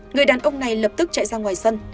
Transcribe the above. người đàn ông này lập tức chạy ra ngoài sân